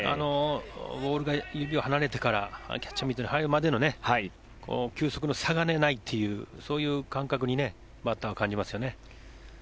ボールが指を離れてからキャッチャーミットに入るまでの球速の差がないというそういう感覚にバッターは感じますよね。